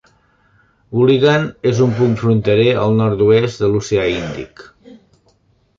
Uligan és un punt fronterer al nord-oest de l'Oceà índic.